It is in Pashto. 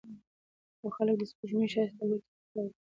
خو خلک د سپوږمۍ ښايست ته ګوته په خوله دي